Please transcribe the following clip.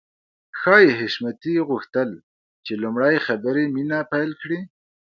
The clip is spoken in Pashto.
ښايي حشمتي غوښتل چې لومړی خبرې مينه پيل کړي.